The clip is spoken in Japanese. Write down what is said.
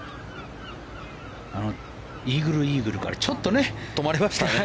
イーグル、イーグルからちょっと止まりましたね。